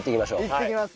行ってきます